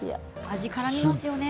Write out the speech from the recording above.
味、からみますよね